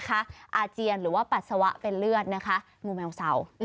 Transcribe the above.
อาเจียนหรือว่าปัสสาวะเป็นเลือดนะคะงูแมวเสา